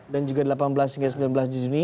dan juga delapan belas sembilan belas juni